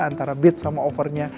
antara bid sama overnya